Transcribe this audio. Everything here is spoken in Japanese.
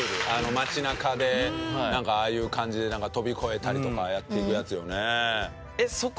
街なかでなんかああいう感じでなんか飛び越えたりとかやっていくやつよね。